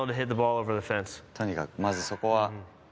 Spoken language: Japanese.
とにかく、まずそこは。